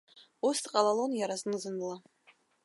Ус дҟалалон иара зны-зынла.